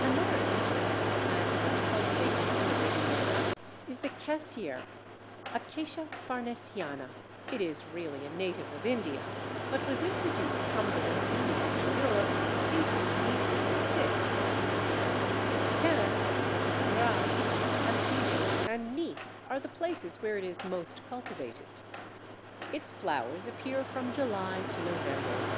Another interesting plant much cultivated in the Riviera is the Cassier (Acacia farnesiana). It is really a native of India, but was introduced from the West Indies to Europe in 1656. Cannes, Grasse, Antibes, and Nice are the places where it is most cultivated. Its flowers appear from July to November.